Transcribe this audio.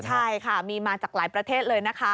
ใช่มีมาจากหลายประเทศเลย